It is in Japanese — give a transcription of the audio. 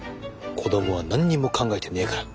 子どもは何にも考えてねえから。